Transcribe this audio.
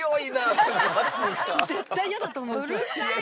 絶対嫌だと思う今日。